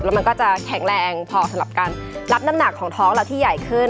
แล้วมันก็จะแข็งแรงพอสำหรับการรับน้ำหนักของท้องเราที่ใหญ่ขึ้น